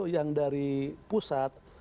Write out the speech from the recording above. yang dari pusat